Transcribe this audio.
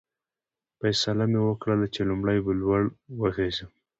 فیصله مې وکړل چې لومړی به لوړ وخېژم.